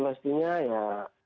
ya pastinya ya